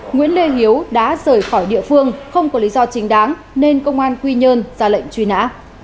nguyễn lê hiếu đã rời khỏi địa phương không có lý do chính đáng nên công an quy nhơn ra lệnh truy nã